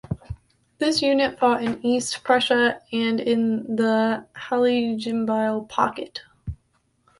This unit fought in East Prussia and in the Heiligenbeil Pocket.